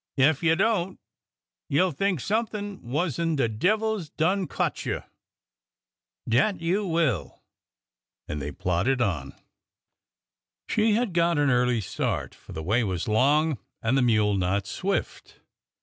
Ef you don't, you 'll think something wuss 'n de devil 's done cotch you ! Dat you will !" And they plodded on. She had got an early start, for the way was long and the mule not swift.